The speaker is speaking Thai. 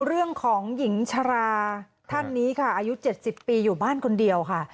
เรื่องของหญิงชราท่านนี้ค่ะอายุ๗๐ปีอยู่บ้านคนเดียวค่ะ